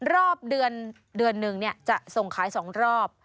รอบเดือนหนึ่งจะส่งขาย๒รอบ